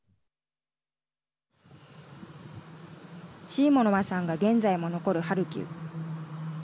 シーモノワさんが現在も残るハルキウ。